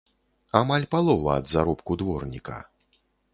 Амаль палова ад заробку дворніка!